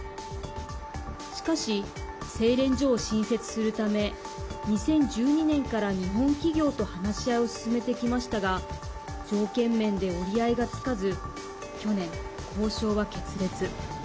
しかし、製錬所を新設するため２０１２年から日本企業と話し合いを進めてきましたが条件面で折り合いが付かず去年、交渉は決裂。